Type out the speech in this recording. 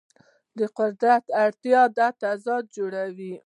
د قدرت اړتیا دا تضاد جوړوي.